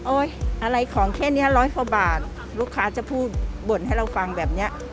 อะไรของแค่นี้ร้อยกว่าบาทลูกค้าจะพูดบ่นให้เราฟังแบบนี้